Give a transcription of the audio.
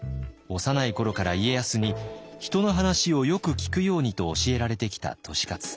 幼い頃から家康に「人の話をよく聞くように」と教えられてきた利勝。